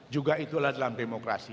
juga itulah dalam demokrasi